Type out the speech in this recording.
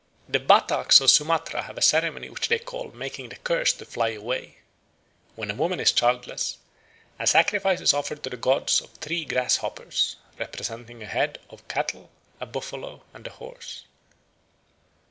The Bataks of Sumatra have a ceremony which they call "making the curse to fly away." When a woman is childless, a sacrifice is offered to the gods of three grasshoppers, representing a head of cattle, a buffalo, and a horse.